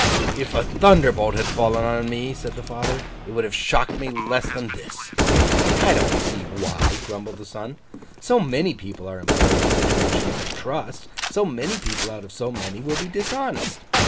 'If a thunderbolt had fallen on me,' said the father, 'it would have shocked me less than this!' 'I don't see why,' grumbled the son. 'So many people are employed in situations of trust; so many people, out of so many, will be dishonest.